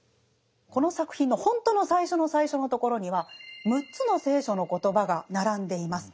この作品のほんとの最初の最初のところには６つの聖書の言葉が並んでいます。